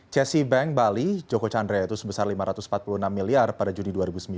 cesi bank bali joko chandra yaitu sebesar lima ratus empat puluh enam miliar pada juni dua ribu sembilan